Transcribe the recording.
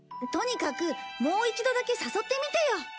とにかくもう一度だけ誘ってみてよ。